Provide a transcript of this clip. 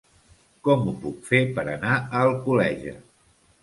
Com ho puc fer per anar a Alcoleja?